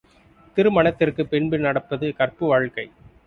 திருமணத்திற்கு பின்பு நடப்பது கற்பு வாழ்க்கை.